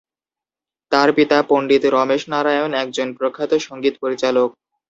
তার পিতা পণ্ডিত রমেশ নারায়ণ একজন প্রখ্যাত সঙ্গীত পরিচালক।